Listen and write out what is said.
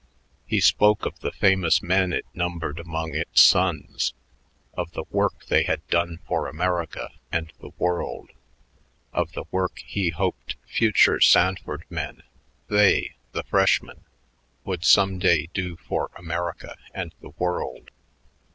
He spoke of the famous men it numbered among its sons, of the work they had done for America and the world, of the work he hoped future Sanford men, they, the freshmen, would some day do for America and the world.